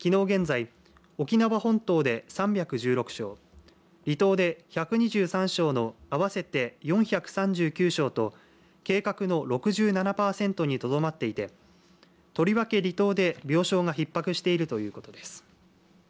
現在、沖縄本島で３１６床離島で１２３床の合わせて４３９床と計画の６７パーセントにとどまっていてとりわけ離島で病床がひっ迫しているということです。